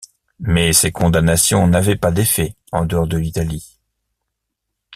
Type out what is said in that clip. Mais ces condamnations n'avaient pas d'effet en dehors de l'Italie.